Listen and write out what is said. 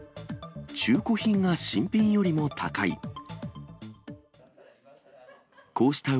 中古品が新品よりも高い。